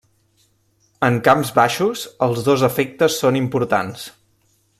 En camps baixos, els dos efectes són importants.